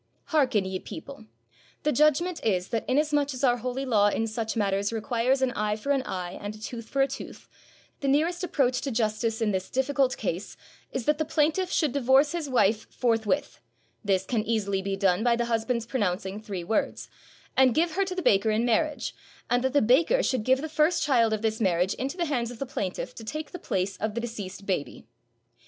Hearken, ye people. The judgment is that inasmuch as our holy law in such mat ters requires an eye for an eye, and a tooth for a tooth, the nearest approach to justice in this difficult case is that the plaintiff should divorce his wife forthwith (this can easily be done by the husband's pronouncing three words), and give her to the baker in marriage, and that the baker should give the first child of this marriage into the hands of the plaintiff to take the place of the de ceased baby."